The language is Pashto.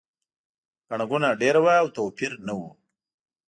ګڼه ګوڼه ډېره وه او توپیر نه و.